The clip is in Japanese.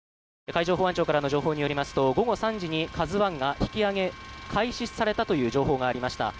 海上保安庁からの情報によりますと午後３時に「ＫＡＺＵ１」が引き揚げ開始されたという情報がありました。